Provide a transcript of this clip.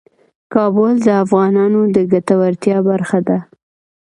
کابل د افغانانو د ګټورتیا برخه ده.